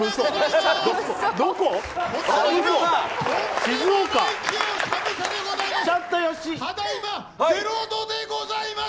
ただいま０度でございます。